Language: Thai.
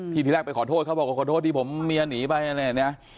ที่ที่แรกไปขอโทษเค้าบอกมีะเด็กหนีไป